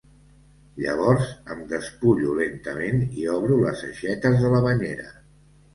Llavors em despullo lentament i obro les aixetes de la banyera.